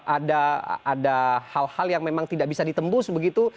ada hal hal yang memang tidak bisa ditembus begitu